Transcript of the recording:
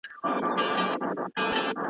د ټول هيواد د پاره حًان قربانوينه